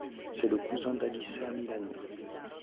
C'est le cousin d'Alyssa Milano.